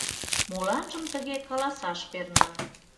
Моланжым тыге каласаш перна.